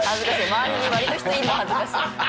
周りに割と人いるの恥ずかしい。